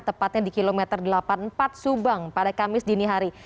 tepatnya di kilometer delapan puluh empat subang pada kamis dini hari